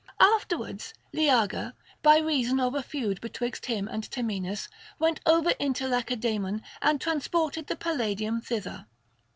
Afterward Leager, by reason of a feud betwixt him and Temenus, went over into Lacedaemon and transported the Palladium thither.